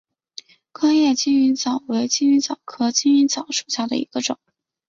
宽叶金鱼藻为金鱼藻科金鱼藻属下的一个种。